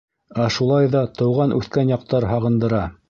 Ә шулай ҙа тыуған-үҫкән яҡтар һағындыра.